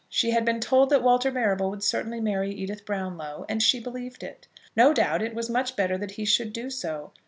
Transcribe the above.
She had been told that Walter Marrable would certainly marry Edith Brownlow, and she believed it. No doubt it was much better that he should do so.